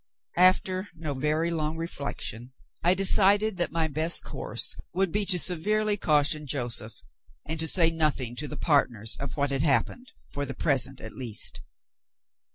After no very long reflection, I decided that my best course would be to severely caution Joseph, and to say nothing to the partners of what had happened for the present, at least.